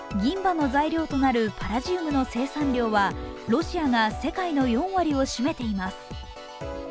銀歯の材料となるパラジウムの生産量はロシアが世界の４割を占めています